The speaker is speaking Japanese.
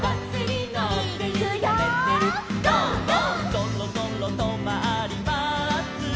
「そろそろとまります」